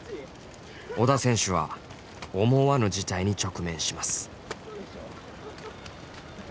織田選手は思わぬ事態に直面します。